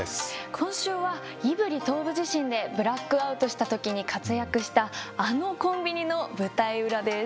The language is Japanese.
今週は胆振東部地震でブラックアウトした時に活躍したあのコンビニの舞台裏です。